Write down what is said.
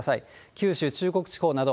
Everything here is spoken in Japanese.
九州、中国地方など、